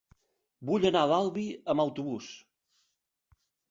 Vull anar a l'Albi amb autobús.